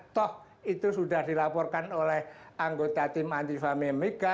toh itu sudah dilaporkan oleh anggota tim antifami mega